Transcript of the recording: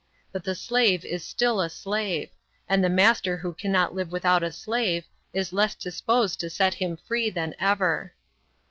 But the slave is still a slave, and the master who cannot live without a slave is less disposed to set him free than ever.